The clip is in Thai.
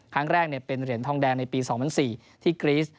ครั้งแรกเป็นเหรียญทองแดงในปี๒๐๐๔ที่กรีส